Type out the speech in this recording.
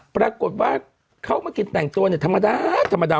ปรากฏว่าเขามากินแต่งตัวเนี่ยธรรมดาธรรมดา